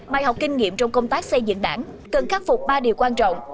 bài học kinh nghiệm trong công tác xây dựng đảng cần khắc phục ba điều quan trọng